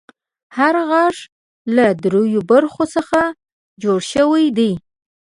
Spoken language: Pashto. هر غاښ له دریو برخو څخه جوړ شوی دی.